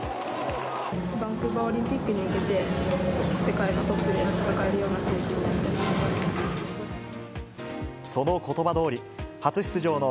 バンクーバーオリンピックに向けて、世界のトップで戦えるような選手になりたいです。